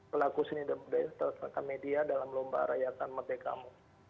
pelaku seni dan media dalam lomba rayakan merdekamu